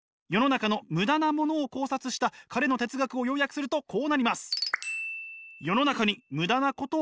世の中のムダなものを考察した彼の哲学を要約するとこうなります。